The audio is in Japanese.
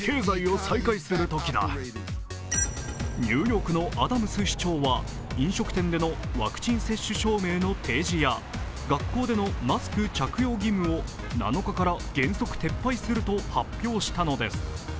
ニューヨークのアダムス市長は、飲食店でのワクチン接種証明の提示や学校でのマスク着用義務を７日から原則撤廃すると発表したのです。